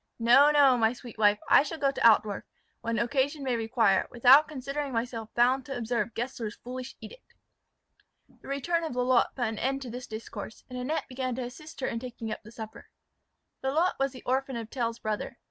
No, no, my sweet wife; I shall go to Altdorf, when occasion may require, without considering myself bound to observe Gessler's foolish edict." The return of Lalotte put an end to this discourse; and Annette began to assist her in taking up the supper. Lalotte was the orphan of Tell's brother.